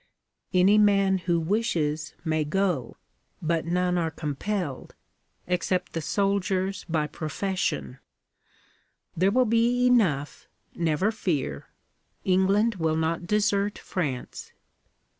'Any man who wishes may go. But none are compelled except the soldiers by profession. There will be enough, never fear. England will not desert France.'